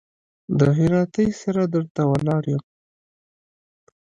د هراتۍ سره در ته ولاړ يم.